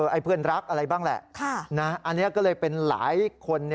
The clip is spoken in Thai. เพื่อนรักอะไรบ้างแหละอันนี้ก็เลยเป็นหลายคน